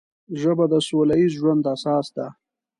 ژبه د سوله ییز ژوند اساس ده